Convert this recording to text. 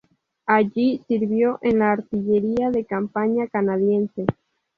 Allí sirvió en la artillería de campaña canadiense.